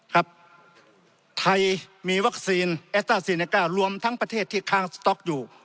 ครับไทยมีวัคซีนแอสต้าซีเนก้ารวมทั้งประเทศที่ค้างสต๊อกอยู่